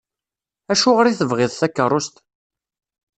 Acuɣer i tebɣiḍ takerrust?